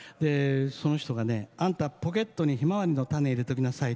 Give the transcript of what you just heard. その人がね「あんたポケットにひまわりの種入れときなさい。